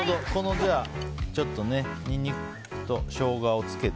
じゃあ、ニンニクとショウガをつけて。